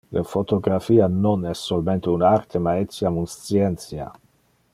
Le photographia non es solmente un arte ma etiam un scientia.